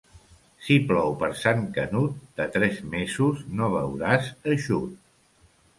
Si plou per Sant Canut, de tres mesos no veuràs eixut.